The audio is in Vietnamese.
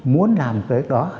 muốn làm cái đó